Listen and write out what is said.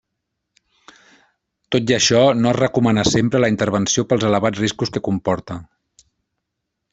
Tot i això, no es recomana sempre la intervenció pels elevats riscos que comporta.